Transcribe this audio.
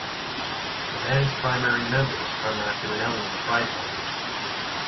The band's primary members are Matthew and Eleanor Friedberger.